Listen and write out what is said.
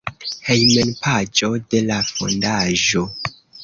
Hejmpaĝo de la fondaĵo.